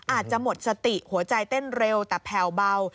อาจจะหมดสติหัวใจเต้นเร็วแต่แผ่วเบา